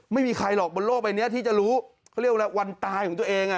ไม่มีใครหรอกบนโลกใบนี้ที่จะรู้เขาเรียกว่าวันตายของตัวเอง